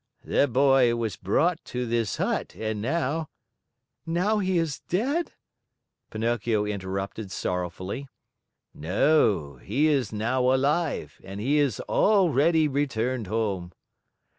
"The boy was brought to this hut and now " "Now he is dead?" Pinocchio interrupted sorrowfully. "No, he is now alive and he has already returned home."